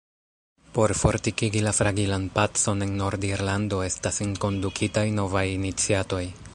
Por fortikigi la fragilan pacon en Nord-Irlando estas enkondukitaj novaj iniciatoj.